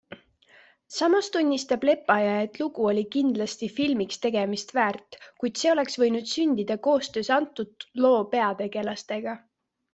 Samas tunnistab Lepajõe, et lugu oli kindlasti filmiks tegemist väärt, kuid see oleks võinud sündida koostöös antud loo peategelastega.